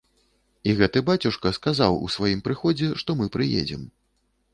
І гэты бацюшка сказаў у сваім прыходзе, што мы прыедзем.